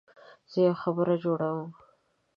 زه یو خبر جوړوم.